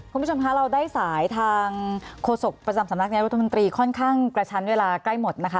คุณผู้ชมคะเราได้สายทางโฆษกประจำสำนักนายรัฐมนตรีค่อนข้างกระชั้นเวลาใกล้หมดนะคะ